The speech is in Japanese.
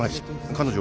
彼女